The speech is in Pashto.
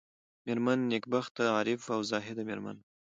مېرمن نېکبخته عارفه او زاهده مېرمن وه.